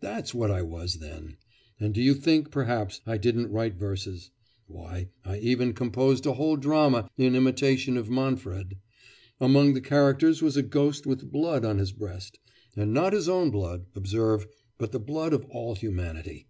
That's what I was then. And do you think, perhaps, I didn't write verses? Why, I even composed a whole drama in imitation of Manfred. Among the characters was a ghost with blood on his breast, and not his own blood, observe, but the blood of all humanity....